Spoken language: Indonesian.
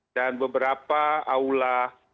dan beberapa aula